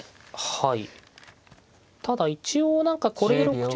はい。